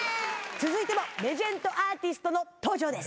続いてもレジェンドアーティストの登場です。